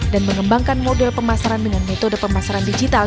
mengembangkan model pemasaran dengan metode pemasaran digital